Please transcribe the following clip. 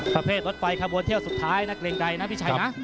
ประเภทรถไฟขบวนเที่ยวสุดท้ายนะเกรงใดนะพี่ชัยนะ